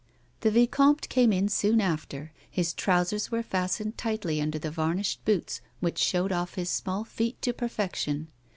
The vicomte came in soon after; his trousers were fastened tightly under the Tarnished boots which showed off his small feet to perfection.